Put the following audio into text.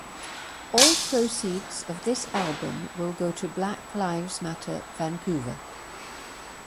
All proceeds of this album will go to Black Lives Matter Vancouver.